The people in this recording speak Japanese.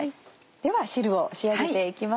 では汁を仕上げて行きます。